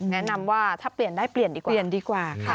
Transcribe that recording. แนะนำว่าถ้าเปลี่ยนได้เปลี่ยนดีกว่า